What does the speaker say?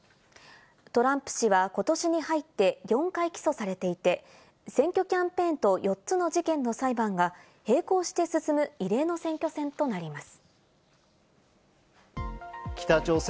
トランプ氏はことしに入って４回起訴されていて、選挙キャンペーンと４つの事件の裁判が平行して進む異例の選挙戦となります。